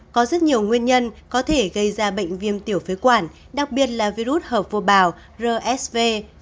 có rất nhiều nguyên nhân có thể gây ra bệnh viêm tiểu phế quản đặc biệt là virus hợp vô bảo rsv